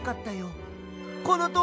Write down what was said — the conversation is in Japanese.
このとおり！